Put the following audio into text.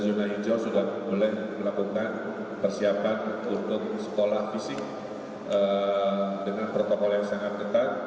zona hijau sudah boleh melakukan persiapan untuk sekolah fisik dengan protokol yang sangat ketat